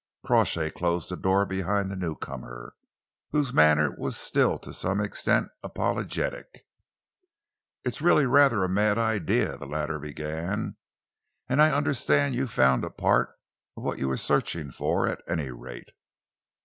Crawshay closed the door behind the newcomer, whose manner was still to some extent apologetic. "It's really rather a mad idea," the latter began, "and I understand you found a part of what you were searching for, at any rate.